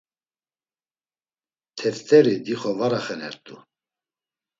Teft̆eri dixo var axenert̆u.